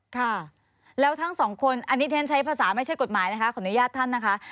ค่ะแล้วทั้ง๒คนอันนี้เท้นใช้ภาษาไม่ใช่กฎหมายของอนุญาตท่านนะคะ